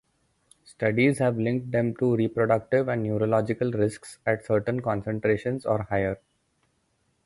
Studies have linked them to reproductive and neurological risks at certain concentrations or higher.